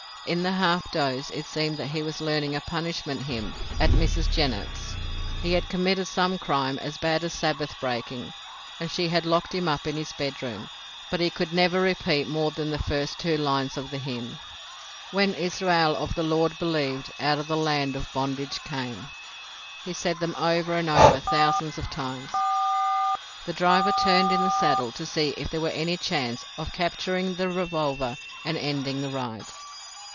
In the half doze it seemed that he was learning a punishment hymn at Mrs. Jennett's. He had committed some crime as bad as Sabbath breaking, and she had locked him up in his bedroom. But he could never repeat more than the first two lines of the hymn— When Israel of the Lord beloved Out of the land of bondage came. He said them over and over thousands of times. The driver turned in the saddle to see if there were any chance of capturing the revolver and ending the ride.